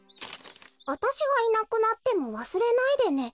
「わたしがいなくなってもわすれないでね」。